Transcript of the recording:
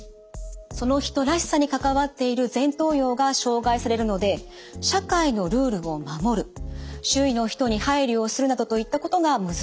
その人らしさに関わっている前頭葉が障害されるので社会のルールを守る周囲の人に配慮をするなどといったことが難しくなってきます。